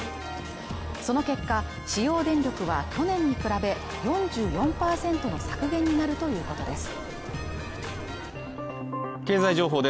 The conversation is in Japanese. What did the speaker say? その結果使用電力は去年に比べ４４％の削減になるということです